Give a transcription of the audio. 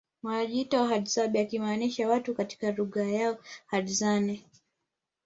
wanajiita Wahadzabe akimaanisha watu katika lugha yao Hadzane